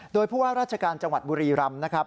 โดยผู้ว่าราชการจังหวัดบุรีรำนะครับ